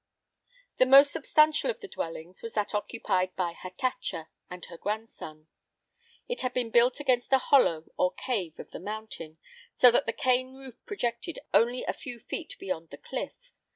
The most substantial of the dwellings was that occupied by Hatatcha and her grandson. It had been built against a hollow or cave of the mountain, so that the cane roof projected only a few feet beyond the cliff.